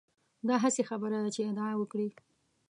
دا هسې خبره ده چې ادعا وکړي.